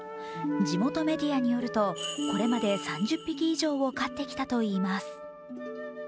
地元メディアによると、これまで３０匹以上を飼ってきたといいます。